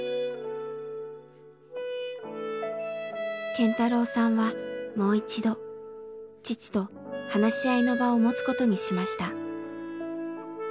健太郎さんはもう一度父と話し合いの場を持つことにしました。